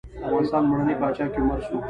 د افغانستان لومړنی پاچا کيومرث وه.